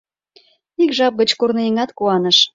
Ик жап гыч корныеҥат куаныш.